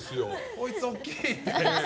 こいつおっきい！って。